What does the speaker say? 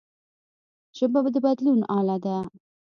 ژبه د بدلون اله ده